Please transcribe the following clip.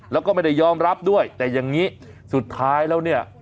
แล้วก็ไม่ได้ยอมรับด้วยแต่อย่างนี้สุดท้ายแล้วเนี่ย